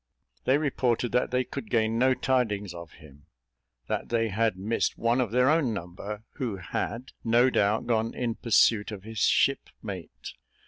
They reported that they could gain no tidings of him: that they had missed one of their own number, who had, no doubt, gone in pursuit of his shipmate.